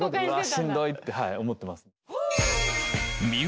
しんどいって思ってます。